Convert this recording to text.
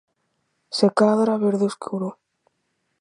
Se cadra verde escuro.